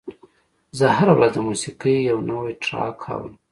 زه هره ورځ د موسیقۍ یو نوی ټراک اورم.